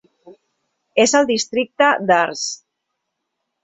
És al districte d'Ards.